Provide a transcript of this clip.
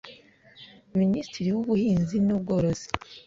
Minisitiri w ubuhinzi n ubworozi